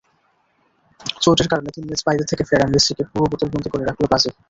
চোটের কারণে তিন ম্যাচ বাইরে থেকে ফেরা মেসিকে পুরো বোতলবন্দী করে রাখল ব্রাজিল।